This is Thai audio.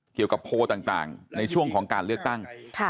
โพลต่างในช่วงของการเลือกตั้ง